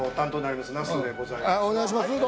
お願いします。